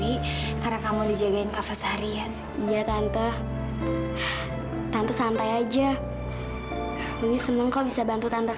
itu kan adiknya wiwi tante